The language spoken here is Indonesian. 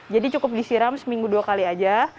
jadi cukup disiram seminggu dua kali aja